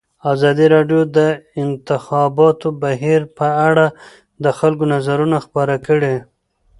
ازادي راډیو د د انتخاباتو بهیر په اړه د خلکو نظرونه خپاره کړي.